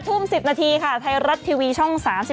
ทุ่ม๑๐นาทีค่ะไทยรัฐทีวีช่อง๓๒